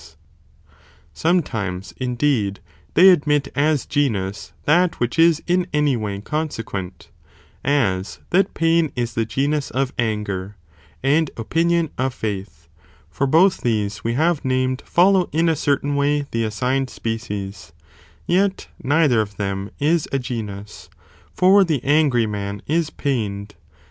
Or assume Sometimes, indeed, they admit as genus, that as genus, what which is in any way consequent, as that pain is y a consequentto the genus of anger, and opinion of faith, for both pene? these we have named follow in a certain way the assigned species, yet neither of them is a genus, for the angry man is pained